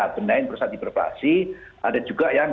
benahin prostat hiperplasi ada juga yang